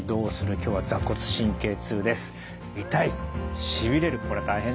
今日は坐骨神経痛です。